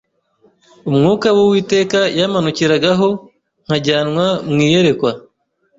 Umwuka w’Uwiteka yamanukiragaho; nkajyanwa mu iyerekwa